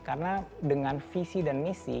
karena dengan visi dan misi